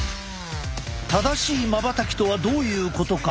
「正しいまばたき」とはどういうことか。